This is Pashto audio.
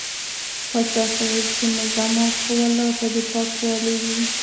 پاچا صاحب زموږ اعمال خو ولاکه د پاکوالي وي.